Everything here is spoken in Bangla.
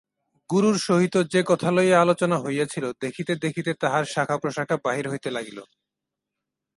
গুরুর সহিত যে কথা লইয়া আলোচনা হইয়াছিল দেখিতে দেখিতে তাহার শাখাপ্রশাখা বাহির হইতে লাগিল।